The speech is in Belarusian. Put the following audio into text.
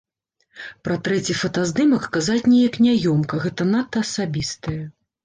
Пра трэці фотаздымак казаць неяк няёмка, гэта надта асабістае.